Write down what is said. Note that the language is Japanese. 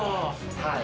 はい。